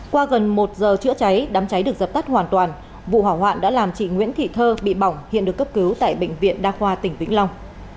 qua gần một giờ chữa cháy đám cháy được dập tắt hoàn toàn vụ hỏa hoạn đã làm chị nguyễn thị thơ bị bỏng hiện được cấp cứu tại bệnh viện đa khoa tỉnh vĩnh long